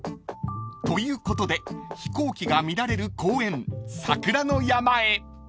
［ということで飛行機が見られる公園さくらの山へ］